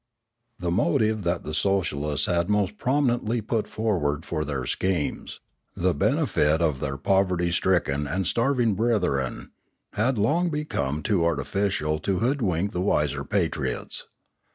The motive that the socialists had most prominently put forward for their schemes, the benefit of their pov erty stricken and starving brethren, had long become too artificial to hoodwink the wiser patriots.